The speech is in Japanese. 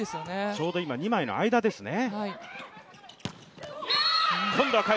ちょうど今、二枚の間ですね。